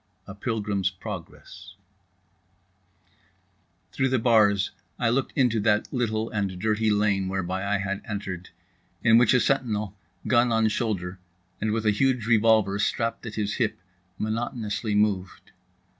III. A PILGRIM'S PROGRESS Through the bars I looked into that little and dirty lane whereby I had entered; in which a sentinel, gun on shoulder, and with a huge revolver strapped at his hip, monotonously moved.